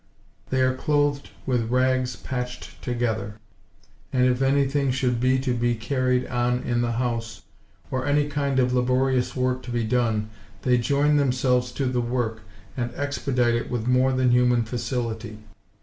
They are clothed with rags patched together; and if anything should be to be carried on in the house, or any kind of laborious work to be done, they join themselves to the work, and expedite it with more than human facility.